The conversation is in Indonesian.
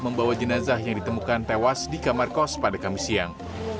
membawa jenazah yang ditemukan tewas di kamar kos pada kamis siang